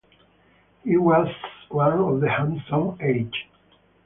He was one of the Handsome Eight.